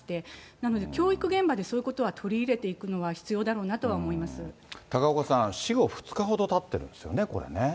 なので、教育現場でそういうことは取り入れていくのは必要だろうなとは思高岡さん、死後２日ほどたってるんですよね、これね。